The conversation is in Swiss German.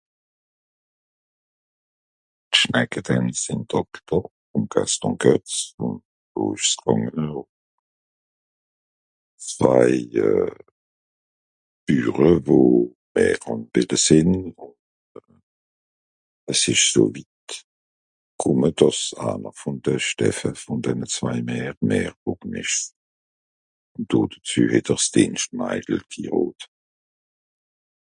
(...) vùm Gaston Guet ùn do ìsch's gànge ùm zwei euh... Büre wo (...) es ìsch so witt kùmme dàss aner vùn de (...) vùn denne zwei (...) dodezü het'r s'Dìenschtmaidel ghirot.